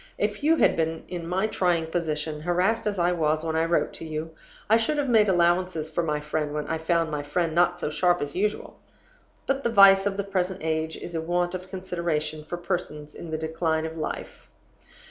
If you had been in my trying position, harassed as I was when I wrote to you, I should have made allowances for my friend when I found my friend not so sharp as usual. But the vice of the present age is a want of consideration for persons in the decline of life.